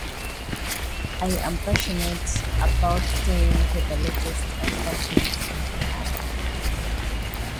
The capital of Earth, Galaxity, is the centre of the vast Terran Galactic Empire.